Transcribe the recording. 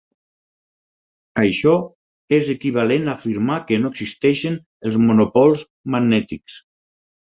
Això és equivalent a afirmar que no existeixen els monopols magnètics.